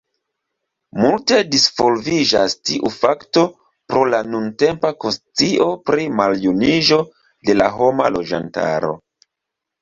Multe disvolviĝas tiu fako pro la nuntempa konscio pri maljuniĝo de la homa loĝantaro.